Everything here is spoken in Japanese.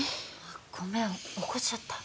ごめん起こしちゃった？